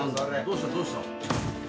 どうした？